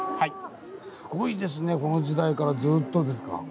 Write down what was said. すごいですねこの時代からずっとですか。